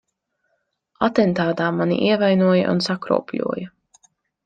Atentātā mani ievainoja un sakropļoja.